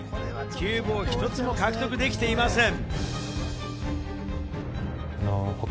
キューブを１つも獲得できていません。